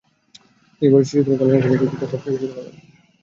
তিনি বলেছেন, শিশুদের কল্যাণে সময় দিতে তাঁর সবচেয়ে বেশি ভালো লাগে।